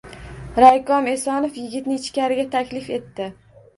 Raykom Esonov yigitni ichkari taklif etdi.